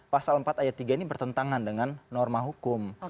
pasal empat ayat tiga ini bertentangan dengan norma hukum